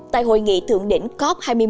tại hội nghị thượng đỉnh cop hai mươi một